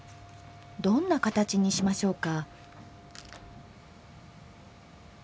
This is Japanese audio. どんな形にしましょうか。